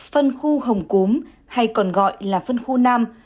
phân khu hồng cúm hay còn gọi là phân khu nam